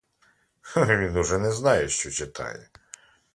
Він уже не знає що читає.